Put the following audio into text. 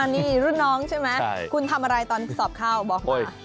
นี่รุ่นน้องใช่ไหมคุณทำอะไรตอนสอบเข้าบอก